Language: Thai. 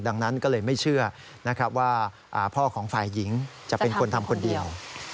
ดังนั้นก็เลยไม่เชื่อนะครับว่าพ่อของฝ่ายหญิงจะเป็นคนทำคนเดียว